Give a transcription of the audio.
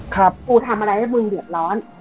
กูทำอะไรให้มึงเดือดร้อน